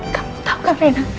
kamu tau kan renna